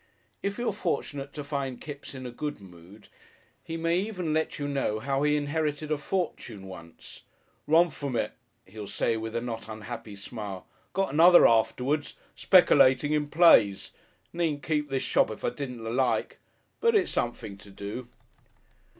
If you are fortunate to find Kipps in a good mood he may even let you know how he inherited a fortune "once." "Run froo it," he'll say with a not unhappy smile. "Got another afterwards speckylating in plays. Needn't keep this shop if I didn't like. But it's something to do."...